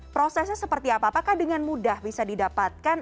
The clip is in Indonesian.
prosesnya seperti apa apakah dengan mudah bisa didapatkan